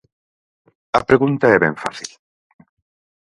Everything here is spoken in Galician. A pregunta é ben fácil.